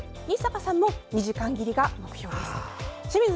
日坂さんも２時間切りが目標です。